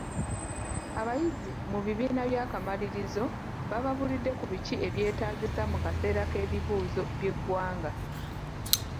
Abayizi mu bibiina eby'akamalirizo bababuulidde ku biki e byetaagisa mu kaseera k'ebibuuzo by'eggwanga.